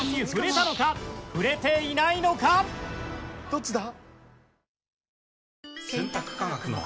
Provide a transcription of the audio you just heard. どっちだ？